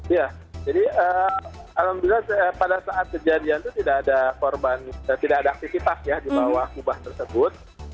iya jadi alhamdulillah pada saat kejadian itu tidak ada korban tidak ada aktivitas ya di bawah kubah tersebut